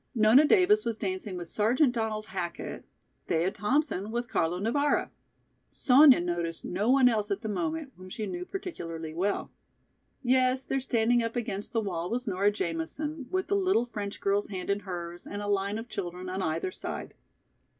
Nona Davis was dancing with Sergeant Donald Hackett, Thea Thompson with Carlo Navara. Sonya noticed no one else at the moment whom she knew particularly well. Yes, there standing up against the wall was Nora Jamison, with the little French girl's hand in hers and a line of children on either side.